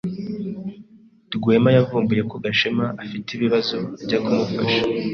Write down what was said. Rwema yavumbuye ko Gashema afite ibibazo ajya kumufasha.